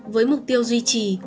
với mục tiêu duy trì